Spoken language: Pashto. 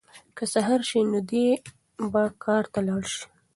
که سهار شي نو دی به کار ته لاړ شي.